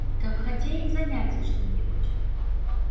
Каб хаця іх заняць за што-небудзь.